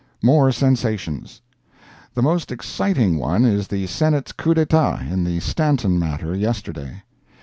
More Sensations. The most exciting one is the Senate's coup d'etat in the Stanton matter yesterday.